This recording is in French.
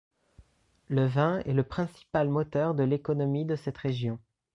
Le vin est le principal moteur de l'économie de cette région.